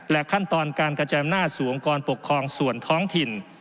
และขั้นตอนการกระแจมนาสูงก่อนปกครองส่วนท้องถิ่น